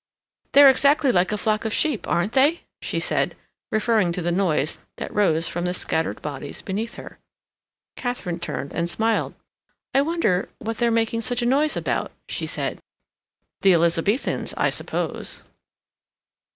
"They're exactly like a flock of sheep, aren't they?" she said, referring to the noise that rose from the scattered bodies beneath her. Katharine turned and smiled. "I wonder what they're making such a noise about?" she said. "The Elizabethans, I suppose."